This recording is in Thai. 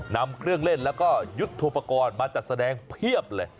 นำเครื่องเล่นแล้วก็ยุทธโปรกรณ์มาจัดแสดงเพียบเลย